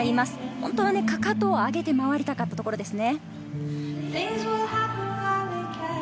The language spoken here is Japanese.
本当はかかとを上げて回りたかったところですね。